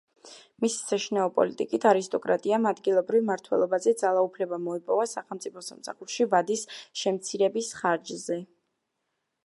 მისი საშინაო პოლიტიკით არისტოკრატიამ ადგილობრივ მმართველობაზე ძალაუფლება მოიპოვა სახელმწიფო სამსახურში ვადის შემცირების ხარჯზე.